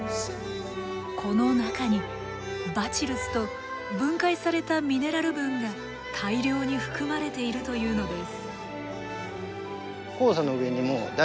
この中にバチルスと分解されたミネラル分が大量に含まれているというのです。